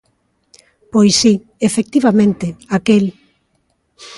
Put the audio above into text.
Pois si, efectivamente, aquel.